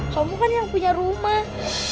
kamu kan yang punya rumah